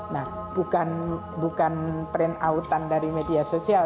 nah bukan print out an dari media sosial